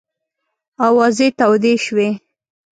آوازې تودې شوې.